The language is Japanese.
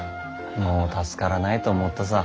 もう助からないと思ったさ。